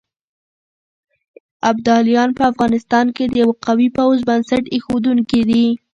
ابداليان په افغانستان کې د يوه قوي پوځ بنسټ اېښودونکي دي.